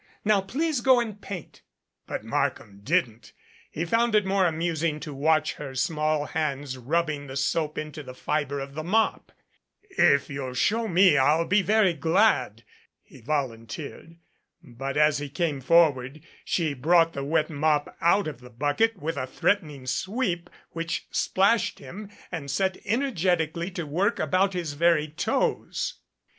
Now please go and paint." But Markham didn't. He found it more amusing to watch her small hands rubbing the soap into the fiber of the mop. "If you'll show me I'll be very glad " he volun teered. But as he came forward, she brought the wet mop out of the bucket with a threatening sweep which splashed him, and set energetically to work about his very toes.